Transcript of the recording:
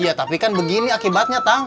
iya tapi kan begini akibatnya tang